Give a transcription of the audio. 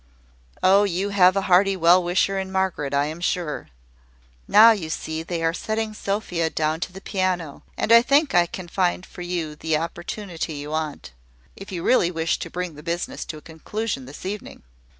Oh, you have a hearty well wisher in Margaret, I am sure! Now, you see they are setting Sophia down to the piano; and I think I can find for you the opportunity you want, if you really wish to bring the business to a conclusion this evening.